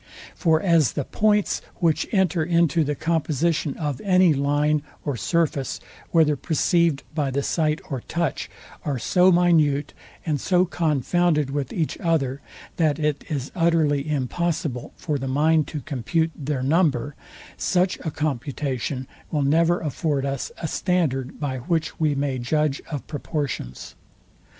For as the points, which enter into the composition of any line or surface, whether perceived by the sight or touch, are so minute and so confounded with each other, that it is utterly impossible for the mind to compute their number, such a computation will Never afford us a standard by which we may judge of proportions.